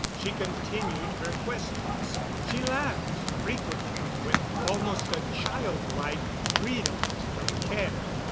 She continued her questions; she laughed frequently, with almost a childlike freedom from care.